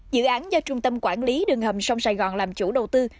dự án do trung tâm quản lý đường hầm sông sài gòn làm chủ đầu tư